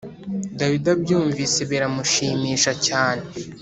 Dawidi abyumvise biramushimisha cyane